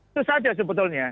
itu saja sebetulnya